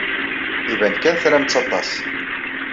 Iban kan tram-tt aṭas.